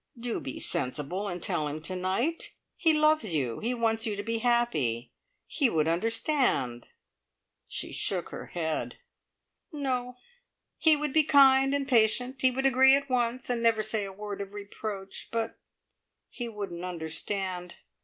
Do be sensible, and tell him to night. He loves you. He wants you to be happy. He would understand." She shook her head. "No. He would be kind and patient. He would agree at once, and never say a word of reproach, but he wouldn't understand.